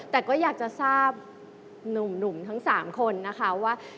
แต่ก็อยากจะทราบหนุ่มทั้ง๓คนนะคะว่า